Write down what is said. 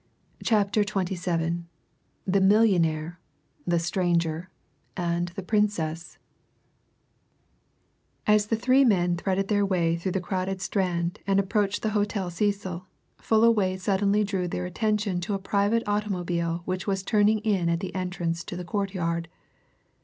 CHAPTER XXVII THE MILLIONAIRE, THE STRANGER, AND THE PRINCESS As the three men threaded their way through the crowded Strand and approached the Hotel Cecil, Fullaway suddenly drew their attention to a private automobile which was turning in at the entrance to the courtyard.